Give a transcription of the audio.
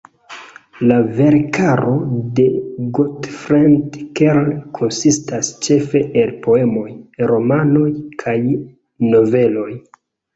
La verkaro de Gottfried Keller konsistas ĉefe el poemoj, romanoj kaj noveloj.